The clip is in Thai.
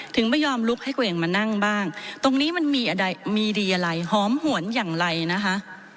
ถึงไม่ยอมลุกให้ตัวเองมานั่งบ้างตรงนี้มันมีอะไรมีดีอะไรหอมหวนอย่างไรนะคะ